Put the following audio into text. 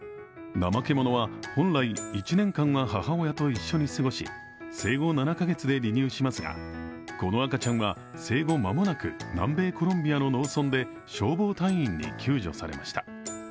ナマケモノは本来、１年間は母親と一緒に過ごし、生後７カ月で離乳しますが、この赤ちゃんは生後間もなく南米コロンビアの農村で消防隊員に救助されました。